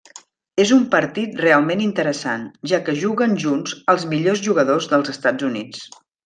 És un partit realment interessant, ja que juguen junts els millors jugadors dels Estats Units.